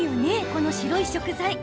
この白い食材。